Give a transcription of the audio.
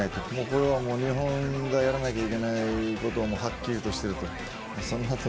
これはもう日本がやらなきゃいけないことはっきりとしていると思います。